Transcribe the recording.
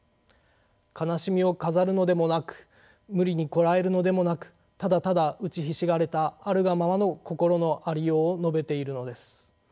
悲しみを飾るのでもなく無理にこらえるのでもなくただただ打ちひしがれたあるがままの心のありようを述べているのです。